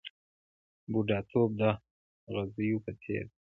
بوډاتوب د اغزیو په څېر دی .